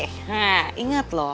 nah inget loh